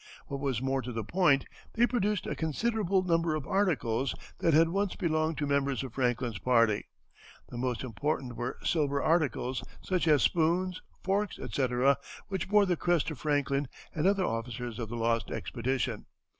What was more to the point, they produced a considerable number of articles that had once belonged to members of Franklin's party. The most important were silver articles, such as spoons, forks, etc., which bore the crest of Franklin and other officers of the lost expedition.